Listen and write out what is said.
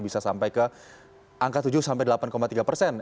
bisa sampai ke angka tujuh sampai delapan tiga persen